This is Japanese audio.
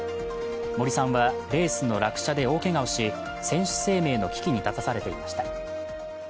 森さんはレースの落車で大けがをし選手生命の危機に立たされていました。